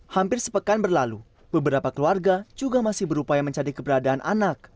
hampir sepekan berlalu beberapa keluarga juga masih berupaya mencari keberadaan anak